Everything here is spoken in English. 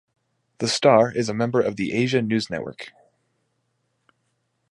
"The Star" is a member of the Asia News Network.